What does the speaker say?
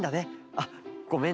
あっごめんね。